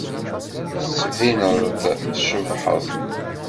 Tettbineḍ-d tcebḥeḍ.